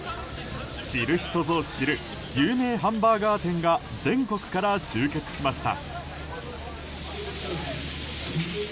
知る人ぞ知る有名ハンバーガー店が全国から集結しました。